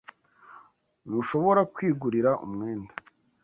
Ntushobora kwigurira umwenda